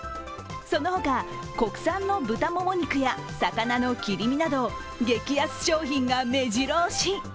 その他、国産の豚もも肉や魚の切り身など激安商品がめじろ押し。